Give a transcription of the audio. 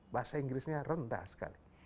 bahasa inggrisnya rendah sekali